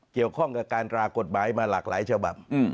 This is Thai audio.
เกี่ยวข้องกับการตรากฎหมายมาหลากหลายฉบับ